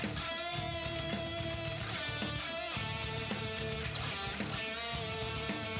ของฮีโรทรัพย์ของฮีโร